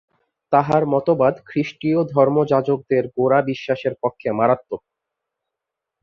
তাঁহার মতবাদ খ্রীষ্টীয় ধর্মযাজকদের গোঁড়া বিশ্বাসের পক্ষে মারাত্মক।